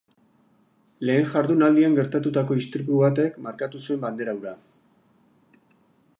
Lehen jardunaldian gertatutako istripu batek markatu zuen bandera hura.